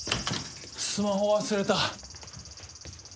スマホ忘れた。